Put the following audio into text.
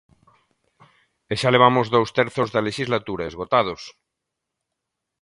E xa levamos dous terzos da lexislatura esgotados.